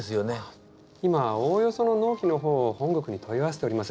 今おおよその納期の方を本国に問い合わせております。